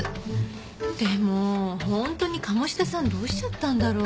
でも本当に鴨志田さんどうしちゃったんだろう？